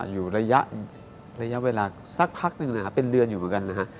อยู่ระยะเวลาสักพักหนึ่งเป็นเลือดอยู่เหมือนกัน